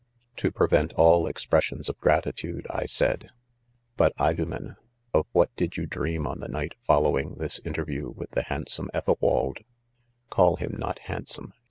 " To prevent all expressions of gratitude,, I said: " But, Idomen, of what did you dream on the night following this interview with the handsome Ethel wald V' J c Call him not hand some